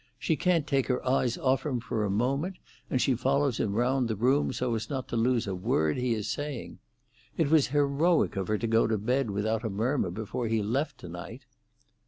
She can't take her eyes off him for a moment, and she follows him round the room so as not to lose a word he is saying. It was heroic of her to go to bed without a murmur before he left to night."